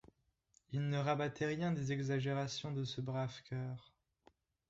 Il ne rabattait rien des exagérations de ce brave cœur.